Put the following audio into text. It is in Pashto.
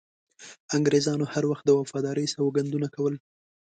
انګریزانو هر وخت د وفادارۍ سوګندونه کول.